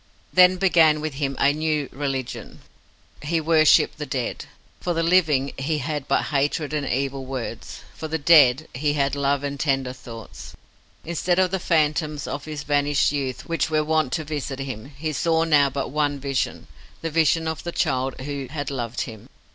Then began with him a new religion. He worshipped the dead. For the living, he had but hatred and evil words; for the dead, he had love and tender thoughts. Instead of the phantoms of his vanished youth which were wont to visit him, he saw now but one vision the vision of the child who had loved him.